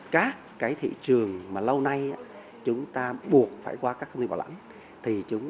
các cái thị trường mà lâu nay chúng ta buộc phải qua các công ty bảo lãnh